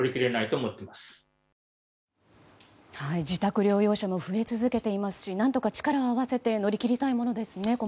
自宅療養者も増え続けていますし何とか力を合わせて乗り切りたいものですね。